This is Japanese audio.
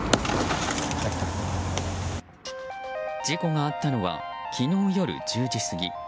事故があったのは昨日夜１０時過ぎ。